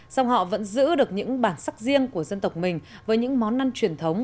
song họ vẫn giữ được những bản sắc riêng của dân tộc mình với những món ăn truyền thống